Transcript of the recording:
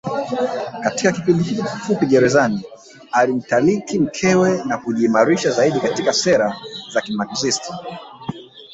Katika kipindi hiki kifupi gerezani alimtaliki mkewe na kujiimarisha zaidi katika sera za kimaxist